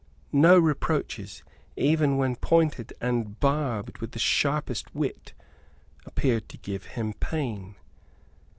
No reproaches, even when pointed and barbed with the sharpest wit, appeared to give him pain.